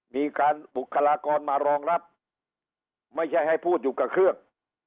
มีการบุคลากรมารองรับไม่ใช่ให้พูดอยู่กับเครื่อง